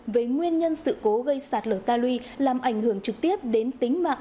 về nguyên nhân sự cố gây sạt lở ta lui làm ảnh hưởng trực tiếp đến tính mạng